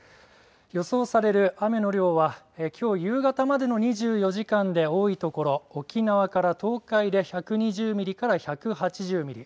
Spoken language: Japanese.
予想される雨の量はきょう夕方までの２４時間で多い所、沖縄から東海で１２０ミリから１８０ミリ。